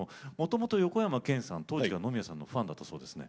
横山剣さん、当時から野宮さんのファンだったそうですね。